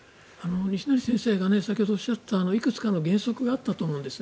西成先生が先ほどおっしゃったいくつかの原則があると思うんです。